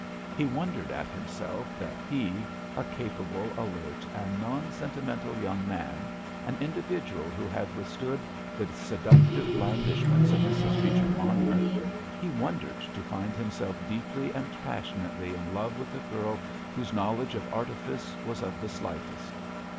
He wondered at himself, that he, a capable, alert and non sentimental young man, an individual who had withstood the seductive blandishments of Mrs. Beecher Monmouth, he wondered to find himself deeply and passionately in love with a girl whose knowledge of artifice was of the slightest.